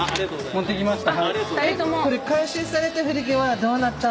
持ってきました。